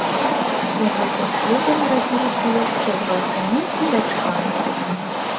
У гэтым шлюбе нарадзіліся яшчэ два сыны і дачка.